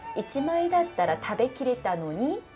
「１枚だったら食べきれたのに」。